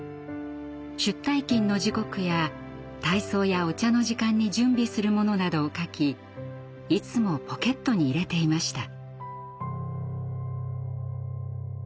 出退勤の時刻や体操やお茶の時間に準備するものなどを書きいつもポケットに入れていました。